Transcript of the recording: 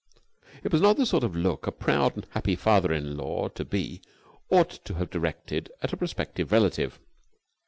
It was not the sort of look a proud and happy father in law to be ought to have directed at a prospective relative.